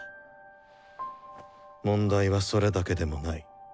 問題はそれだけでもない。